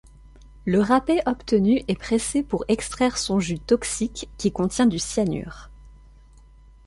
Le râpé obtenu est pressé pour extraire son jus toxique qui contient du cyanure.